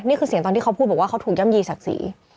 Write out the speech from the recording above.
นี่คือเสียงตอนที่เขาพูดบอกว่าเขาถูกย่ำยีศักดิ์ศรี